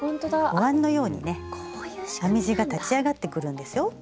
おわんのようにね編み地が立ち上がってくるんですよ。